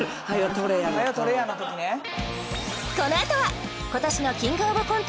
このあとは今年の「キングオブコント」